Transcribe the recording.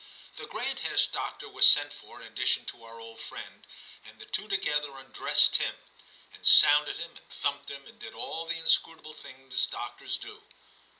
The Granthurst doctor was sent for in addition to our old friend, and the two together undressed Tim, and sounded him, and thumped him, and did all the inscrutable things doctors do.